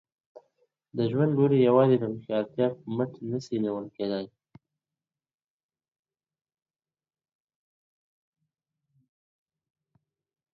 د ژوند لوړي یوازي د هوښیارتیا په مټ نه سي نیول کېدلای.